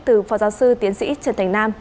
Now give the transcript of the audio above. từ phó giáo sư tiến sĩ trần thành nam